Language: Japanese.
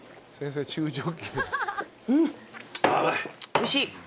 おいしい。